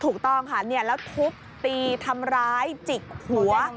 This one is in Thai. ถูกต้องค่ะแล้วทุบตีทำร้ายจิกหัว